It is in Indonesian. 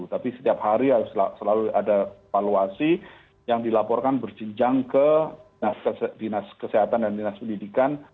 tapi setiap hari harus selalu ada evaluasi yang dilaporkan berjenjang ke dinas kesehatan dan dinas pendidikan